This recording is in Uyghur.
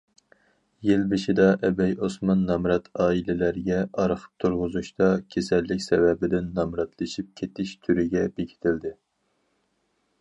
يىل بېشىدا ئەبەي ئوسمان نامرات ئائىلىلەرگە ئارخىپ تۇرغۇزۇشتا كېسەللىك سەۋەبىدىن نامراتلىشىپ كېتىش تۈرىگە بېكىتىلدى.